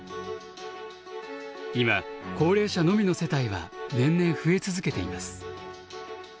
今高齢者のみの世帯は年々増え続けています。